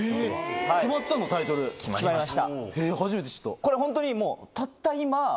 これホントにたった今。